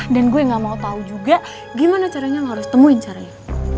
dan gue gak mau tau juga gimana caranya lo harus temuin caranya